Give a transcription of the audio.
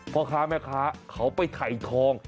พ่อค้าแม่ค้าเขาไปถ่ายทอง